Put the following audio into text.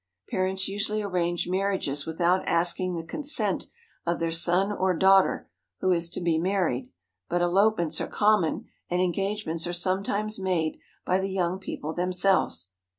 Parents usually arrange marriages without asking the consent of their son or daughter who is to be married; but elopements are common, and engagements are sometimes made by the young people themselves.